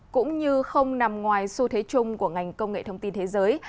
cũng như không nằm ngoài xu thế chung của ngành công nghệ thông tin thế giới